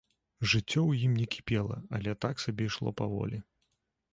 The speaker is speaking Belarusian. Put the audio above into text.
Жыццё ў ім не кіпела, але так сабе ішло паволі.